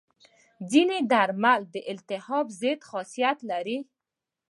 ځینې درمل د التهاب ضد خاصیت لري.